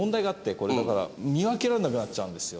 これだから見分けられなくなっちゃうんですよ。